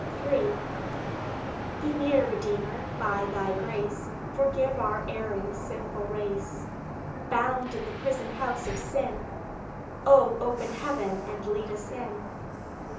III Be near, Redeemer; by Thy grace Forgive our erring sinful race, Bound in the prison house of sin— O, open heaven and lead us in.